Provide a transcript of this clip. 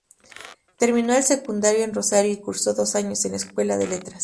Terminó el secundario en Rosario y cursó dos años en la Escuela de Letras.